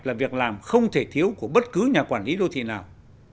là việc làm không thể thiếu của bất cứ nhà quản lý đô thị nào